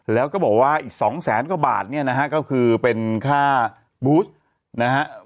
แล้วก็บอกว่าอีก๒แสนกว่าบาทเนี่ยนะฮะก็คือเป็นค่าบูสนะฮะ